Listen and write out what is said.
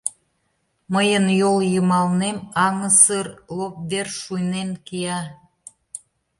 Мыйын йол йымалнем аҥысыр лоп вер шуйнен кия;